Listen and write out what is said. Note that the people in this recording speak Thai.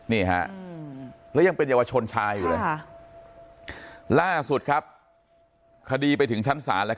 นี่ฮะยังเป็นยาวชนชายล่าสุดครับคดีไปถึงชั้นศาสตร์แล้ว